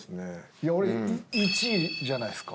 いや俺１位じゃないすか。